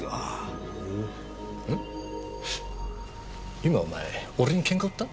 今お前俺にケンカ売った？